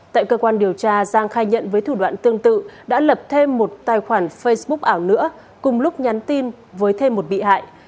tại cơ quan điều tra giang khai nhận với thủ đoạn tương tự đã lập thêm một tài khoản facebook ảo nữa cùng lúc nhắn tin với thêm một bị hại